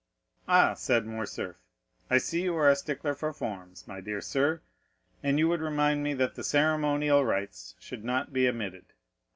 "Ah," said Morcerf, "I see you are a stickler for forms, my dear sir, and you would remind me that the ceremonial rites should not be omitted.